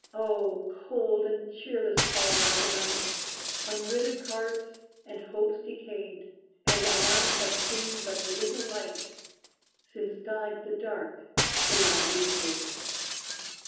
Oh! cold and cheerless falls the night On withered hearts and hopes decayed: And I have seen but little light Since died the dark Bellambi's Maid!